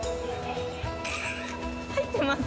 入ってます？